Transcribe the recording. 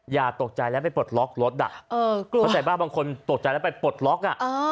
อย่าตกใจแล้วไปปลดล็อกรถพอใส่บ้างบางคนตกใจแล้วไปปลดล็อก